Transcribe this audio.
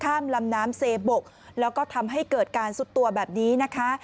ลำน้ำเซบกแล้วก็ทำให้เกิดการซุดตัวแบบนี้นะคะ